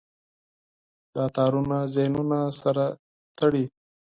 دا تارونه ذهنونه سره تړي.